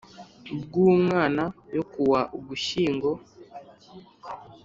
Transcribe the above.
Bw umwana yo kuwa ugushyingo